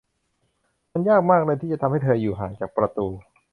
มันยากมากเลย ที่จะทำให้เธออยู่ห่างจากประตู